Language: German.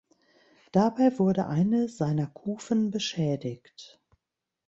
Dabei wurde eine seiner Kufen beschädigt.